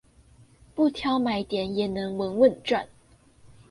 不挑買點也能穩穩賺